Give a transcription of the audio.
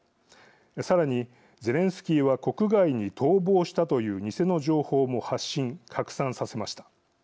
さらにゼレンスキーは国外に逃亡したという偽の情報も発信拡散させました。